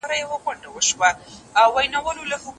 پښتون قام